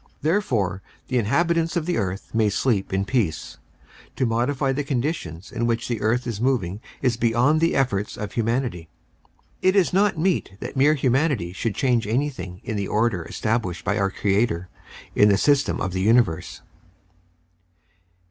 Therefore the inhabitants of the earth may sleep in peace. To modify the conditions in which the earth is moving is beyond the efforts of humanity. It is not meet that mere humanity should change anything in the order established by our Creator in the system of the universe.